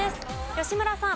吉村さん。